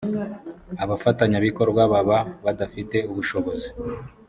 abafatanyabikorwa baba badafite ubushobozi